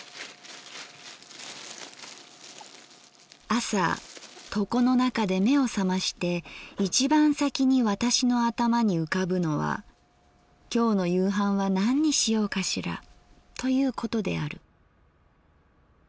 「あさ床の中で眼をさまして一番さきに私の頭に浮かぶのは今日の夕飯は何にしようかしらということである。